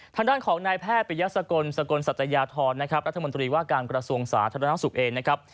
ทางด้านของนายแพทย์ปริยสกลสกลสัตยาธรนะครับรัฐมนตรีว่าการกระทรวงสาธารณสุขเองนะครับ